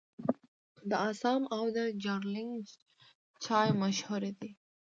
د اسام او دارجلینګ چای مشهور دی.